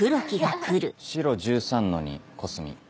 白１３の２コスミ。